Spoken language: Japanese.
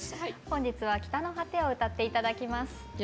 本日は「北の果て」を歌って頂きます。